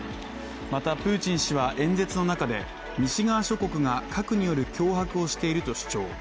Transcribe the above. またプーチン氏は、演説の中で西側諸国が核による脅迫をしていると主張。